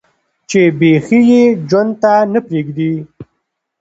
چې بيخي ئې ژوند ته نۀ پرېږدي